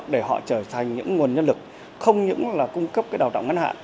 để họ trở thành những nguồn nhân lực không những là cung cấp cái đào tạo ngắn hạn